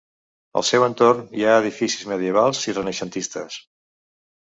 Al seu entorn, hi ha edificis medievals i renaixentistes.